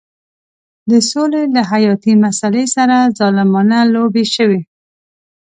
د سولې له حیاتي مسلې سره ظالمانه لوبې شوې.